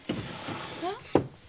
えっ？